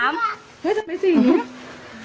นี่เห็นจริงตอนนี้ต้องซื้อ๖วัน